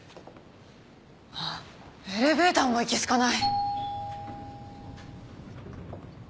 あっエレベーターもいけ好かない。